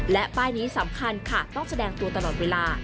และป้ายนี้สำคัญค่ะต้องแสดงตัวตลอดเวลา